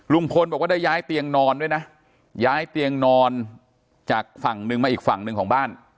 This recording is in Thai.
ลุงพลบอกว่าได้ย้ายเตียงนอนด้วยนะย้ายเตียงนอนจากฝั่งหนึ่งมาอีกฝั่งหนึ่งของบ้าน